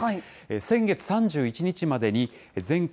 先月３１日までに、全国